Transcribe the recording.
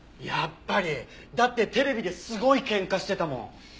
やっぱり！だってテレビですごい喧嘩してたもん。